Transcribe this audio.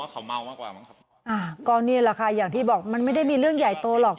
ก่อนนี้แหละค่ะอย่างที่บอกมันไม่มีเรื่องใหญ่โตหรอก